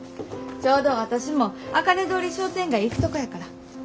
ちょうど私もあかね通り商店街へ行くとこやから。